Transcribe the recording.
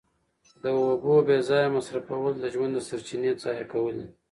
د اوبو بې ځایه مصرفول د ژوند د سرچینې ضایع کول دي.